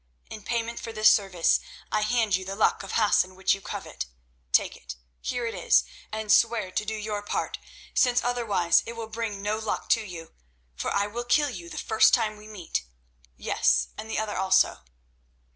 In payment for this service I hand you the Luck of Hassan which you covet. Take it; here it is, and swear to do your part, since otherwise it will bring no luck to you, for I will kill you the first time we meet—yes, and the other also."